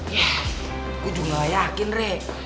ya gue juga gak yakin re